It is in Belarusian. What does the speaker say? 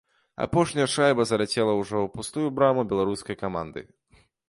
Апошняя шайба заляцела ўжо ў пустую браму беларускай каманды.